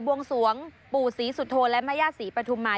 วงสวงปู่ศรีสุโธและแม่ย่าศรีปฐุมมา